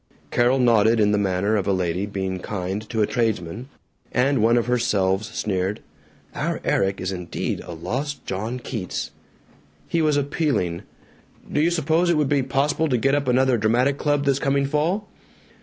Carol nodded in the manner of a lady being kind to a tradesman, and one of her selves sneered, "Our Erik is indeed a lost John Keats." He was appealing, "Do you suppose it would be possible to get up another dramatic club this coming fall?"